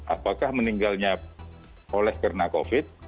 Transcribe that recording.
apakah meninggalnya oleh karena covid